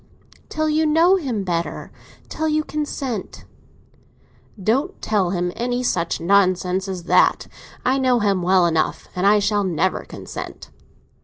"Till you know him better—till you consent." "Don't tell him any such nonsense as that. I know him well enough, and I shall never consent."